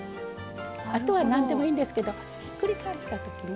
あとは何でもいいんですけどひっくり返した時にね。